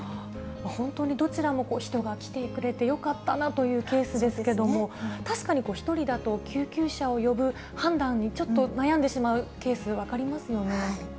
本当にどちらも人が来てくれてよかったなというケースですけれども、確かに１人だと、救急車を呼ぶ判断にちょっと悩んでしまうケース、分かりますよね。